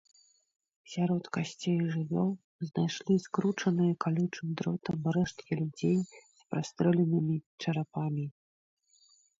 Сярод касцей жывёл знайшлі скручаныя калючым дротам рэшткі людзей з прастрэленымі чарапамі.